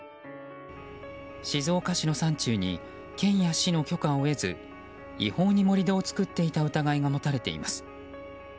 静岡市の山中に県と市の許可を得ず違法に盛り土を作っていた疑いが持たれています。